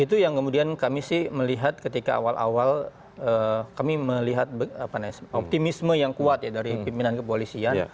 itu yang kemudian kami sih melihat ketika awal awal kami melihat optimisme yang kuat ya dari pimpinan kepolisian